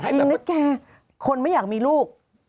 มึงนึกแกคนไม่อยากมีลูก